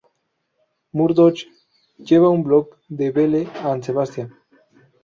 Murdoch lleva un blog de Belle and Sebastian.